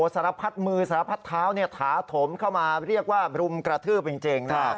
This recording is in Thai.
สารพัดมือสารพัดเท้าถาถมเข้ามาเรียกว่ารุมกระทืบจริงนะ